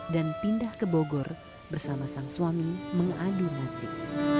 dan pindah ke bogor bersama sang suami mengadu nasib